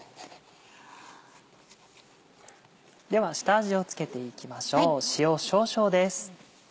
では下味を付けていきましょう。